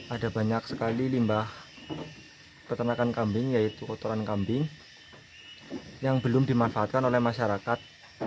ada banyak sekali limbah peternakan kambing yaitu kotoran kambing yang belum dimanfaatkan oleh masyarakat